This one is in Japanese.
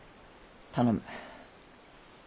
頼む。